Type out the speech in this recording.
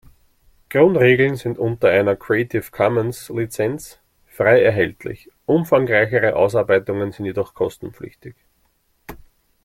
Grundregeln sind unter einer Creative-Commons-Lizenz frei erhältlich, umfangreichere Ausarbeitungen sind jedoch kostenpflichtig.